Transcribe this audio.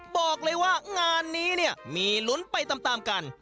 บอกเลยว่างานนี้มีลุ้นไปตามตามกัน